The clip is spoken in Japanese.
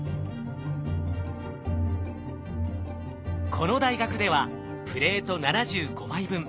この大学ではプレート７５枚分。